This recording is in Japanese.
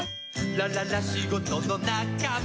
ラララしごとのなかま」